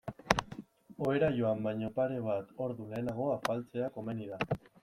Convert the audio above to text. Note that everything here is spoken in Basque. Ohera joan baino pare bat ordu lehenago afaltzea komeni da.